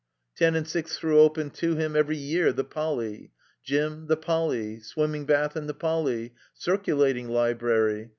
Ten and six threw open to him every year the Poly. Gym., the Poly. Swinmiing Bath, and the Poly. Circtdating Library.